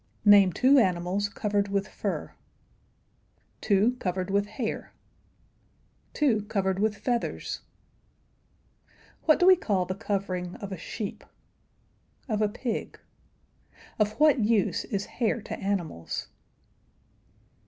Name two animals covered with fur. Two covered with hair. Two covered with feathers. What do we call the covering of a sheep? Of a pig? Of what use is hair to animals?